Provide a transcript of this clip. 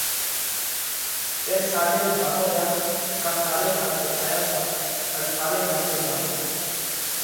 ڪينڪ ساڏينَ زائونه ريا ڪا ٺالي هاٿي آيا تا ان ٺالي هاٿي زائونه ريا؟